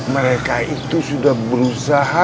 mereka itu sudah berusaha